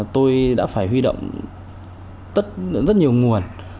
tôi đã phải huy động rất nhiều nguồn